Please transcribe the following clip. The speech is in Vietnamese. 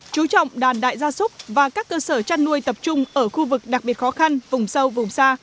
chú trọng đàn đại gia súc và các cơ sở chăn nuôi tập trung ở khu vực đặc biệt khó khăn vùng sâu vùng xa